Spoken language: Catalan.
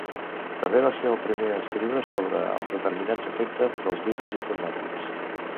També va ser el primer a escriure sobre determinats efectes dels virus informàtics.